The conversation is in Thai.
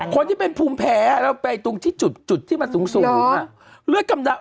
คนที่เป็นภูมิแพ้ที่จุดที่มาสูงเลือดกำเดา